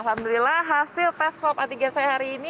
alhamdulillah hasil tes swab antigen saya hari ini